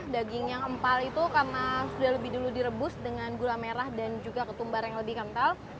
daging yang empal itu karena sudah lebih dulu direbus dengan gula merah dan juga ketumbar yang lebih kental